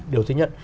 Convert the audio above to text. điều thứ nhất